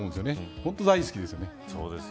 本当、大好きです。